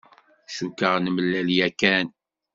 Cukkeɣ nemlal yakan.